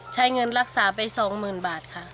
ใช้เงินรักษาไป๒๐๐๐บาทค่ะ